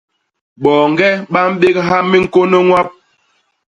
Boñge ba mbégha miñkônô ñwap.